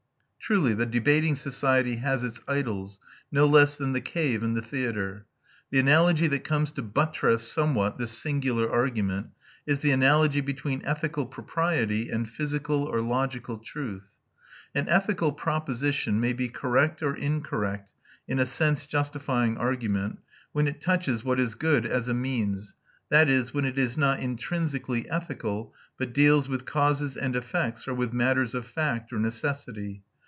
Truly the debating society has its idols, no less than the cave and the theatre. The analogy that comes to buttress somewhat this singular argument is the analogy between ethical propriety and physical or logical truth. An ethical proposition may be correct or incorrect, in a sense justifying argument, when it touches what is good as a means, that is, when it is not intrinsically ethical, but deals with causes and effects, or with matters of fact or necessity.